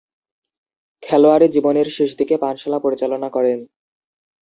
খেলোয়াড়ী জীবনের শেষদিকে পানশালা পরিচালনা করেন।